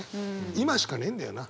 今しかねえんだよな。